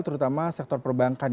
terutama sektor perbankan